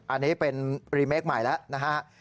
อันนี้เป็นรีเมคใหม่แล้วนะฮะ